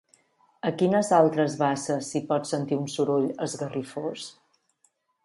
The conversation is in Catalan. A quines altres basses s'hi pot sentir un soroll esgarrifós?